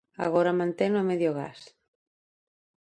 Agora manteno a medio gas.